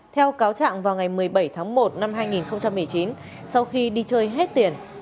theo cáo trạng vào ngày một mươi bảy tháng một năm hai nghìn một mươi chín sau khi đi chơi hết tiền